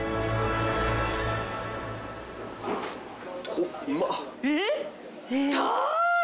おっうまっ。